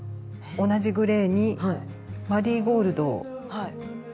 同じグレーにマリーゴールドをのせたり。